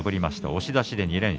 押し出し。